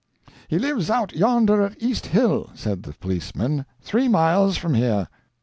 "He lives out yonder at East Hill," said the policeman; "three miles from here."